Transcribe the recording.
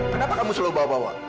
kenapa kamu selalu bawa bawa